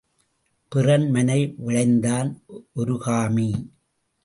பிறன் மனை விழைந்தான் ஒரு காமி.